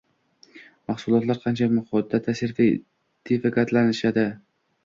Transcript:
Mahsulotlar qancha muddatda sertifikatlashtiriladi?